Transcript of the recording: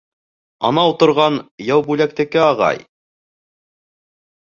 Анау торған Яубүләктеке, ағай.